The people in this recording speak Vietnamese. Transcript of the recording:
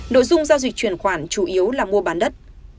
nội dung giao dịch chuyển khoản chủ yếu là mua bán đất